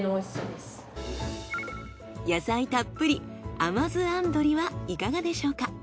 野菜たっぷり甘酢あん鶏はいかがでしょうか？